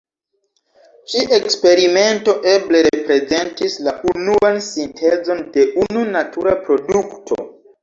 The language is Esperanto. Ĉi-eksperimento eble reprezentis la unuan sintezon de unu natura produkto.